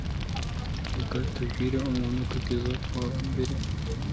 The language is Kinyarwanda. Reka tubwire umuntu kugeza kuwa mbere.